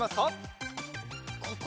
ここ！